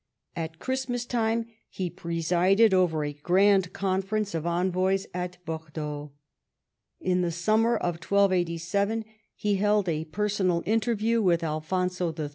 At Christ mas time he presided over a grand conference of envoys at Bordeaux. In the summer of 1287 he held a per sonal interview with Alfonso III.